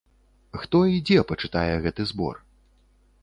Хто і дзе пачытае гэты збор?